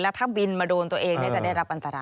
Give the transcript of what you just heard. ถ้าบินมาโดนตัวเองจะได้รับอันตราย